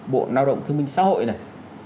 bộ lao động thông minh xã hội này